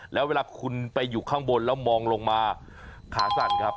แล้วเวลาคุณไปอยู่ข้างบนแล้วมองลงมาขาสั่นครับ